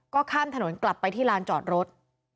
ก็ข้ามถนนกลับไปที่ลานจอดรถ